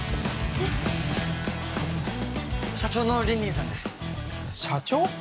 あっ社長の凜々さんです社長？